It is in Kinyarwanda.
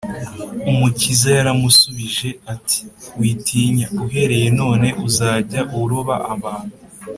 umukiza yaramusubije ati, “witinya, uhereye none uzajya uroba abantu